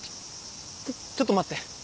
⁉ちょっと待って。